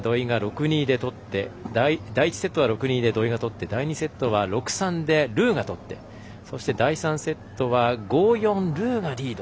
第１セットは６−２で土居が取って第２セットは６−３でルーが取ってそして、第３セットは５−４ルーがリード。